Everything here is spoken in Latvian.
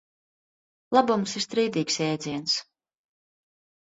Labums ir strīdīgs jēdziens.